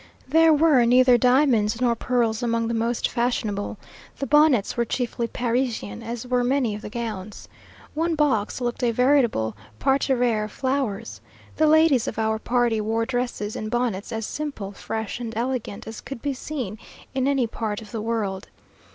There were neither diamonds nor pearls among the most fashionable. The bonnets were chiefly Parisian, as were many of the gowns. One box looked a veritable parterre of flowers. The ladies of our party wore dresses and bonnets as simple, fresh, and elegant as could be seen in any part of the world.